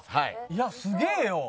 いやすげえよ。